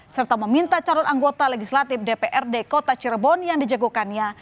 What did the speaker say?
serta meminta calon anggota legislatif dprd kota cirebon yang dijagokannya